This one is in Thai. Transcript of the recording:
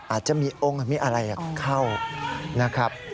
อาจจะมีองค์มีอะไรเข้านะครับ